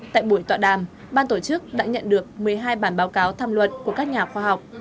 tại buổi tọa đàm ban tổ chức đã nhận được một mươi hai bản báo cáo tham luận của các nhà khoa học